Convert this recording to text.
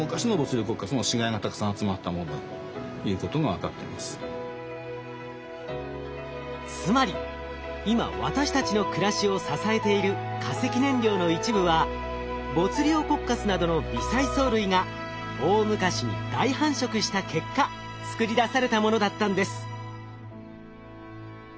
見えてきたのはなんとつまり今私たちの暮らしを支えている化石燃料の一部はボツリオコッカスなどの微細藻類が大昔に大繁殖した結果作り出されたものだったんです。